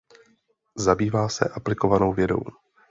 Zabývá se aplikovanou vědou.